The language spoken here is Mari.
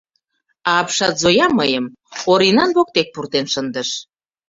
А апшат Зоя мыйым Оринан воктек пуртен шындыш.